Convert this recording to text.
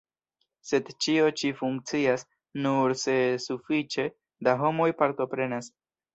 Sed ĉio ĉi funkcias nur se sufiĉe da homoj partoprenas.